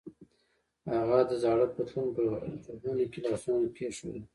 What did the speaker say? هغه د زاړه پتلون په جبونو کې لاسونه کېښودل.